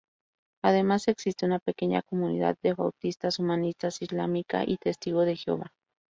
Además, existe una pequeña comunidad de bautistas, humanistas, islámica y Testigos de Jehová.